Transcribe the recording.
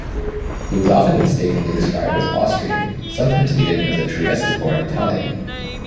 He was often mistakenly described as Austrian, sometimes even as a Trieste-born Italian.